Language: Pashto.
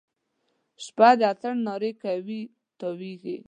شپه د اتڼ نارې کوي تاویږي